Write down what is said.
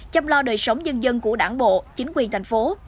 chăm lo đời sống nhân dân của đảng bộ chính quyền thành phố